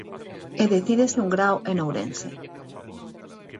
E decídese un grao en Ourense.